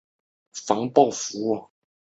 唐玄宗时期官员。